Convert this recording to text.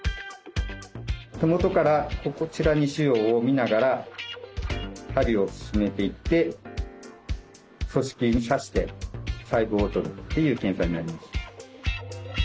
手元からこちらに腫瘍をみながら針を進めていって組織に刺して細胞を採るっていう検査になります。